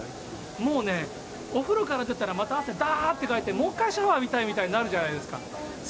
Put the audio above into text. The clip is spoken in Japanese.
もうね、お風呂から出たらまた汗だーっとかいて、もう１回シャワー浴びたいみたいになるじゃないですか。